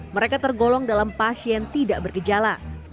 mereka tergolong dalam pasien tidak bergejala